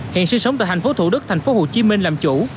hiện sinh sống tại thành phố thủ đức thành phố hồ chí minh làm chủ